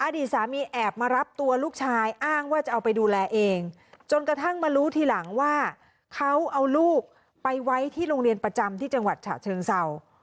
อดีตสามีแอบมารับตัวลูกชายอ้างว่าจะเอาไปดูแลเองจนกระทั่งมารู้ทีหลังว่าเขาเอาลูกไปไว้ที่โรงเรียนประจำที่จังหวัดฉะเชิงเศร้า